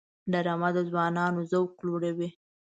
ډرامه د ځوانانو ذوق لوړوي